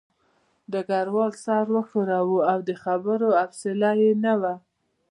ډګروال سر وښوراوه او د خبرو حوصله یې نه وه